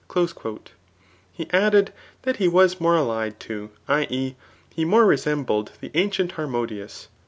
*' He added, that he was more allied to [i. e. he more resem bled3 the ancient Harmodius.